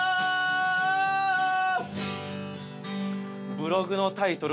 「ブログのタイトル